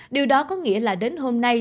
điều đó có nghĩa là đến hôm nay